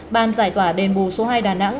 ban giải tỏa đền bù số hai đà nẵng